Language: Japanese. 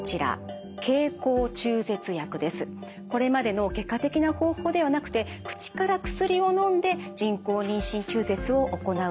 これまでの外科的な方法ではなくて口から薬をのんで人工妊娠中絶を行うといった方法です。